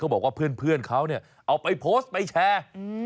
บอกว่าเพื่อนเขาเนี่ยเอาไปโพสต์ไปแชร์